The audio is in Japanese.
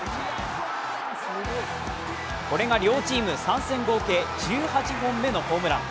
これが両チーム３戦合計１８本目のホームラン。